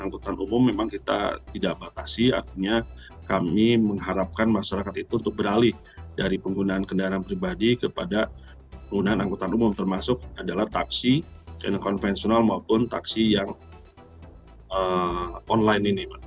angkutan umum memang kita tidak batasi artinya kami mengharapkan masyarakat itu untuk beralih dari penggunaan kendaraan pribadi kepada penggunaan angkutan umum termasuk adalah taksi dan konvensional maupun taksi yang online ini